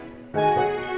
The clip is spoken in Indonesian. udah mau ke rumah